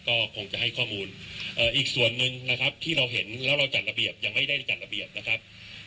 ก็คงจะให้ข้อมูลอีกส่วนหนึ่งนะครับที่เราเห็นแล้วเราจัดระเบียบยังไม่ได้จัดระเบียบนะครับ